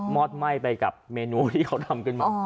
อดไหม้ไปกับเมนูที่เขาทำขึ้นมา